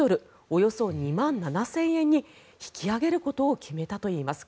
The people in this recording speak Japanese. およそ２万７０００円に引き上げることを決めたといいます。